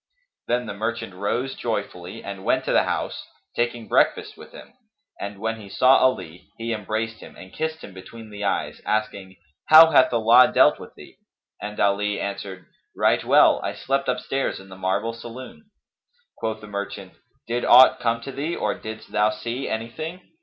Then the merchant rose joyfully and went to the house, taking breakfast with him; and, when he saw Ali, he embraced him and kissed him between the eyes, asking, "How hath Allah dealt with thee?"; and Ali answered, "Right well, I slept upstairs in the marble saloon." Quoth the merchant, "Did aught come to thee or didst thou see any thing?"